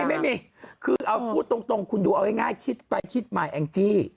ไม่มีคือเอาพูดตรงคุณดูเอาง่ายคิดไปคิดมาแองจี้